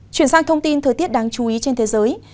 chuyển sang thông tin thời tiết đáng chú ý trên thế giới